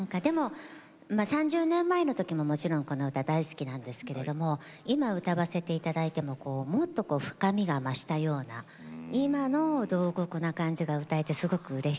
３０年前の時ももちろんこの歌大好きなんですけれども今歌わせていただいてももっと深みが増したような今の「慟哭」な感じが歌えてすごくうれしいです。